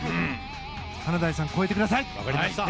華大さん、超えてください。